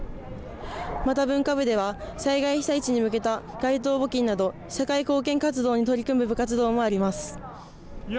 また、文化部では災害被災地に向けた街頭募金など社会貢献活動に取り組む部活動もあります。